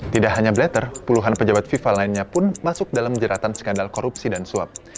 tidak hanya blater puluhan pejabat fifa lainnya pun masuk dalam jeratan skandal korupsi dan suap